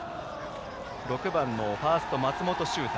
６番のファースト松本秀太。